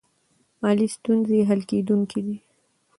مالي ستونزې حل کیدونکې دي.